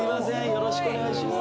よろしくお願いします